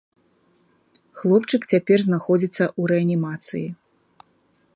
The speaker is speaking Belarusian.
Хлопчык цяпер знаходзіцца ў рэанімацыі.